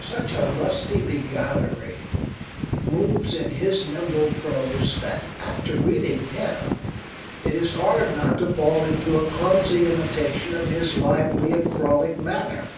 Such a lusty beguilery moves in his nimble prose that after reading him it is hard not to fall into a clumsy imitation of his lively and frolic manner.